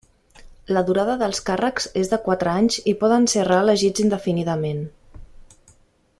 La durada dels càrrecs és de quatre anys i poden ser reelegits indefinidament.